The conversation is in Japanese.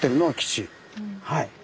はい。